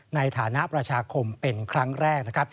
ในฐานะประชาคมเป็นครั้งแรกนะครับ